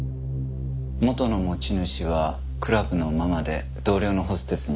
元の持ち主はクラブのママで同僚のホステスにあげたそうだ。